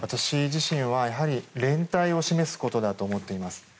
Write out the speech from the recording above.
私自身は連帯を示すことだと思っています。